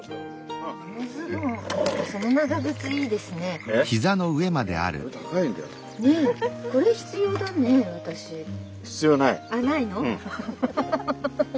あっないの？